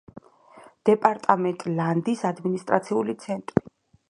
დეპარტამენტ ლანდის ადმინისტრაციული ცენტრი.